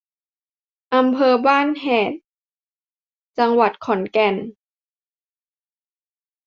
อำเภอบ้านแฮด จังหวัดขอนแก่น